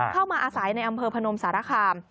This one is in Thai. เข้ามาอาศัยในอำเภอพนมสารคาม